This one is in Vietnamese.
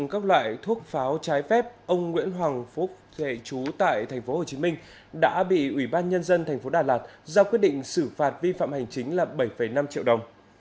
các loại thuốc pháo trái phép ông nguyễn hoàng phúc thệ chú tại tp hcm đã bị ủy ban nhân dân tp đà lạt giao quyết định xử phạt vi phạm hành chính là bảy năm triệu đồng